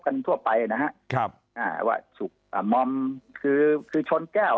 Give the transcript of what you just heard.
ทั่วไปนะฮะครับอ่าว่าสุกอ่ามอมคือคือชนแก้ว